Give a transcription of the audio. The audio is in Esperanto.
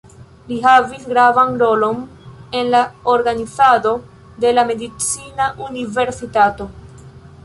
Li havis gravan rolon en la organizado de la medicina universitato.